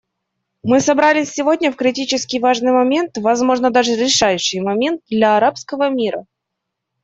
Мы собрались сегодня в критически важный момент — возможно, даже решающий момент — для арабского мира.